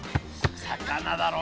魚だろ？